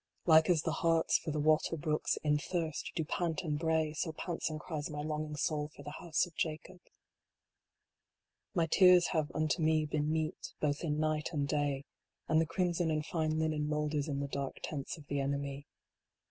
83 Like as the harts for the water brooks, in thirst, do pant and bray, so pants and cries my longing soul for the house of Jacob. My tears have unto me been meat, both in night and day : And the crimson and fine linen moulders in the dark tents of the enemy.